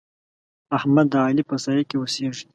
احمد د علي په سايه کې اوسېږي.